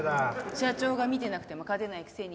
社長が見てなくても勝てないくせに。